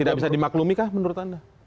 tidak bisa dimaklumikah menurut anda